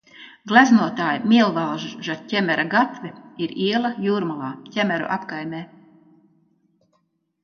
Gleznotāja Miervalža Ķemera gatve ir iela Jūrmalā, Ķemeru apkaimē.